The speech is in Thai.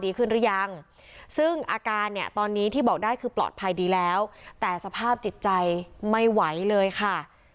หรือยังซึ่งอาการเนี่ยตอนนี้ที่บอกได้คือปลอดภัยดีแล้วแต่สภาพจิตใจไม่ไหวเลยค่ะ